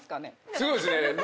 すごいっすね。